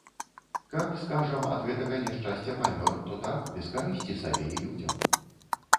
Каб, скажам, ад гэтага няшчасця памёр, то так, без карысці сабе і людзям.